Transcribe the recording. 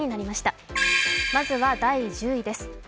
まずは第１０位です。